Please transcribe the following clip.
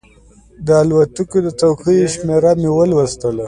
د الوتکې د څوکیو شمېره مې لوستله.